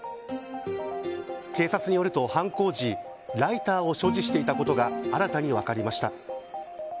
警察によると犯行時ライターを所持していたことが新たに分かりました。